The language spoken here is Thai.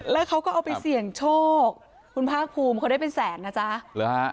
แล้วเขาก็เอาไปเสี่ยงโชคคุณภาคภูมิเขาได้เป็นแสนนะจ๊ะหรือฮะ